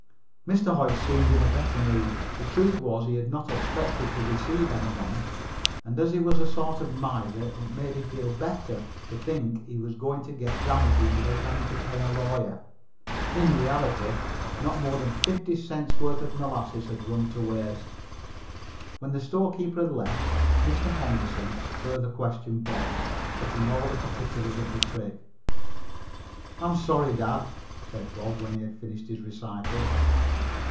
Mr. Hodge seemed in better mood. The truth was, he had not expected to receive any money, and as he was a sort of miser, it made him feel better to think he was going to get damages without having to pay a lawyer. In reality, not more than fifty cents' worth of molasses had run to waste. When the storekeeper had left Mr. Henderson further questioned Bob, getting all the particulars of the trick. "I'm sorry, dad," said Bob when he had finished his recital.